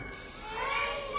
やった！